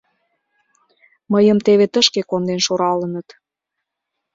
Мыйым теве тышке конден шуралыныт...